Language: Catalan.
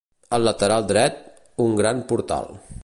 Al lateral dret, un gran portal.